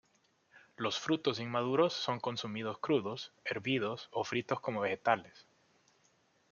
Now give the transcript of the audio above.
Los frutos inmaduros son consumidos crudos, hervidos o fritos como vegetales.